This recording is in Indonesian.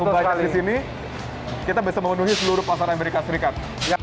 kalau barang di sini kita bisa memenuhi seluruh pasar amerika serikat